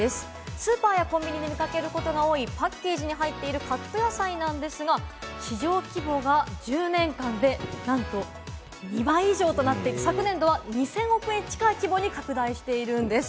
スーパーやコンビニで見かけることの多いパッケージに入っているカット野菜なんですが、市場規模が１０年間で、なんと２倍以上となって、昨年度は２０００億円近い規模に拡大しているんです。